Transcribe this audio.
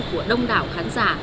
của đông đảo khán giả